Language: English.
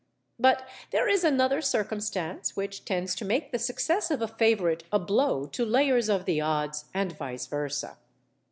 But there is another circumstance which tends to make the success of a favourite a blow to layers of the odds and vice versâ.